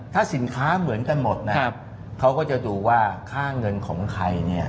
ถ้าสินค้าเหมือนกันหมดนะครับเขาก็จะดูว่าค่าเงินของใครเนี่ย